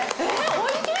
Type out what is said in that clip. おいしい？